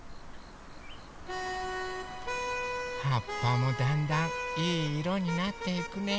はっぱもだんだんいいいろになっていくね。